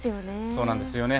そうなんですよね。